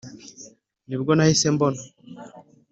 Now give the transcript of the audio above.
nibwo nahise mbona,